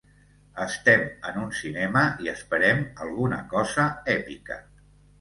Estem en un cinema i esperem alguna cosa èpica.